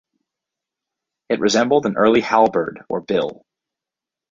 It resembled an early halberd or bill.